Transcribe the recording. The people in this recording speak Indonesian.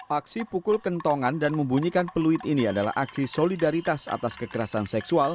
aksi pukul kentongan dan membunyikan peluit ini adalah aksi solidaritas atas kekerasan seksual